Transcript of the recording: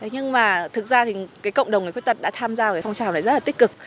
nhưng mà thực ra cộng đồng người khuyết tật đã tham gia phong trào này rất là tích cực